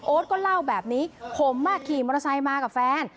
ก็เล่าแบบนี้ผมขี่มอเตอร์ไซค์มากับแฟน